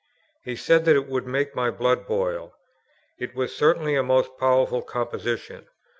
He said that it would make my blood boil. It was certainly a most powerful composition.